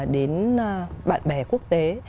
đến bạn bè quốc tế